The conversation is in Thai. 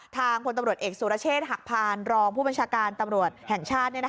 พลตำรวจเอกสุรเชษฐ์หักพานรองผู้บัญชาการตำรวจแห่งชาติ